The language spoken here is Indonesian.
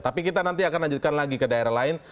tapi kita nanti akan lanjutkan lagi ke daerah lain